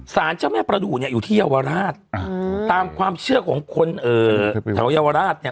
สารเจ้าแม่ประดูกเนี่ยอยู่ที่เยาวราชตามความเชื่อของคนแถวเยาวราชเนี่ย